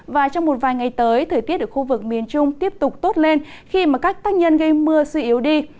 và trong một vài ngày tới thời tiết ở khu vực miền trung tiếp tục tốt lên khi mà các tác nhân gây mưa suy yếu đi